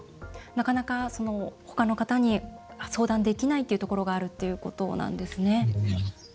なかなか、ほかの方に相談できないというところがあるっていうことなんですね。